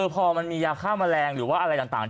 พอมันมียาฆ่าแมลงหรือว่าอะไรต่าง